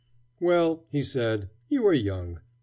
"Well," he said, "you are young.